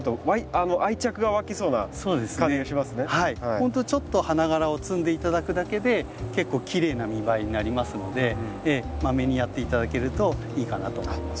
ほんとにちょっと花がらを摘んで頂くだけで結構きれいな見栄えになりますのでまめにやって頂けるといいかなと思います。